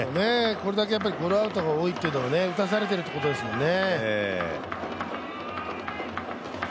これだけゴロアウトが多いっていうことは打たされてるってことですからね。